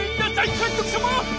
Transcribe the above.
かんとくさま！